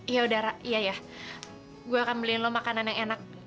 iya udah iya ya gue akan beliin lo makanan yang enak